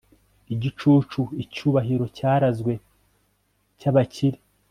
Igicucu icyubahiro cyarazwe cyabakire